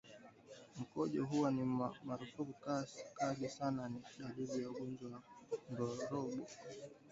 Mkojo kuwa na harufu kali sana ni dalili ya ugonjwa wa ndorobo kwa mnyama